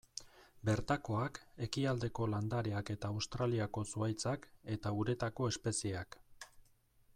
Bertakoak, ekialdeko landareak eta Australiako zuhaitzak, eta uretako espezieak.